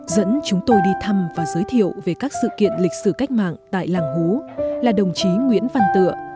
dẫn chúng tôi đi thăm và giới thiệu về các sự kiện lịch sử cách mạng tại làng hú là đồng chí nguyễn văn tựa